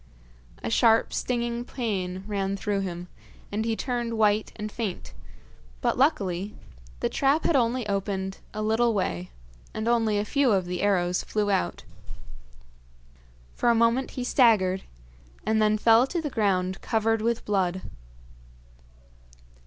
A sharp, stinging pain ran through him, and he turned white and faint, but, luckily, the trap had only opened a little way, and only a few of the arrows flew out. For a moment he staggered, and then fell to the ground covered with blood.